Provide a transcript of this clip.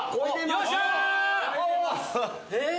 よっしゃ！